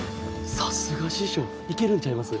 さすが師匠いけるんちゃいます？